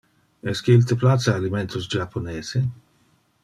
Esque il te place alimentos Japonese?